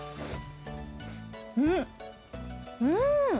うん、うん！